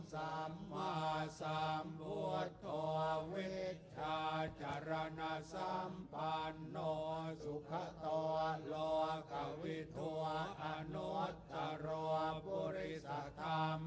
สารทิสันทะเทวะมนุนนางพุทธโทพักขวาธรรม